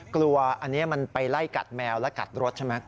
กลัวอันนี้มันไปไล่กัดแมวและกัดรถใช่ไหม